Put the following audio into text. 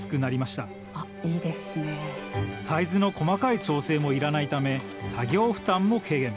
サイズの細かい調整もいらないため作業負担も軽減。